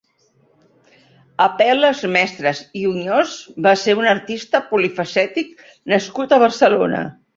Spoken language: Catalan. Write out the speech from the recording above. Apel·les Mestres i Oñós va ser un artista polifacètic nascut a Barcelona.